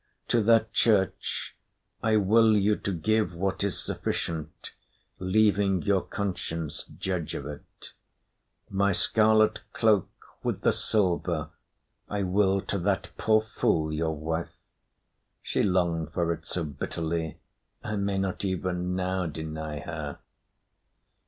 To that church I will you to give what is sufficient, leaving your conscience judge of it. My scarlet cloak with the silver, I will to that poor fool your wife. She longed for it so bitterly, I may not even now deny her.